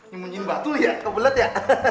sembunyiin batu liat kebelet ya